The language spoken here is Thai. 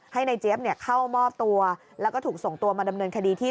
ให้นายเจี๊ยบเข้ามอบตัวแล้วก็ถูกส่งตัวมาดำเนินคดีที่